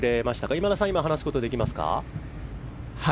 今田さん、話すことできますか？